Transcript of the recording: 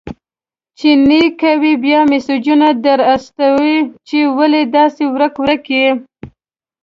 چي نې کوې، بيا مسېجونه در استوي چي ولي داسي ورک-ورک يې؟!